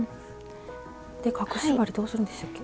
で隠し針どうするんでしたっけ？